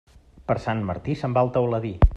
Per Sant Martí se'n va el teuladí.